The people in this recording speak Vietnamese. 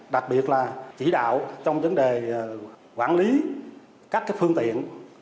đặc biệt là chỉ đạo trong vấn đề quản lý các phương tiện